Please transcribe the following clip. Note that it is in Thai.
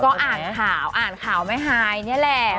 ก็อ่านข่าวอ่านข่าวแม่ฮายนี่แหละ